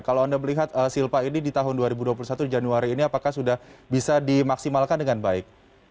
kalau anda melihat silpa ini di tahun dua ribu dua puluh satu januari ini apakah sudah bisa dimaksimalkan dengan baik